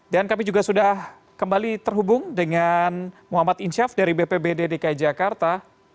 dan kami juga sudah kembali terhubung dengan muhammad insyaf dari bpbd dki jakarta